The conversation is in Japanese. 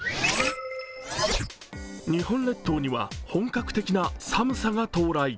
日本列島には本格的な寒さが到来。